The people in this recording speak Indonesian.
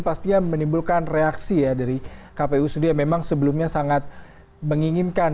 pastinya menimbulkan reaksi ya dari kpu sendiri yang memang sebelumnya sangat menginginkan